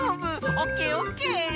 オッケーオッケー！